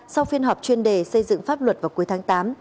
sau phiên họp chuyên đề xây dựng pháp luật vào cuối tháng tám